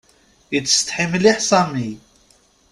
Ittsetḥi mliḥ Sami.